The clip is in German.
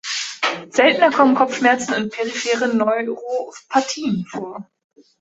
Seltener kommen Kopfschmerzen und periphere Neuropathien vor.